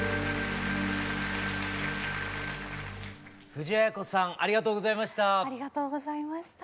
藤あや子さんありがとうございました。